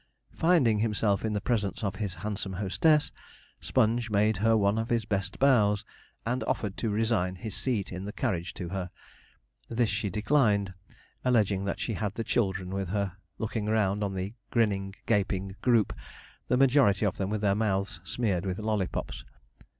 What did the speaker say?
Finding himself in the presence of his handsome hostess, Sponge made her one of his best bows, and offered to resign his seat in the carriage to her. This she declined, alleging that she had the children with her looking round on the grinning, gaping group, the majority of them with their mouths smeared with lollipops.